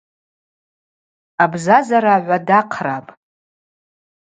Абзазара гӏвадахърапӏ.